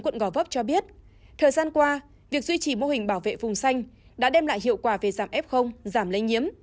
thời gian qua việc duy trì mô hình bảo vệ vùng xanh đã đem lại hiệu quả về giảm f giảm lây nhiễm